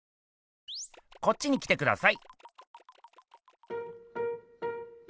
こっちに来てください。